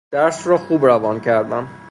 درس راخوب روان کردم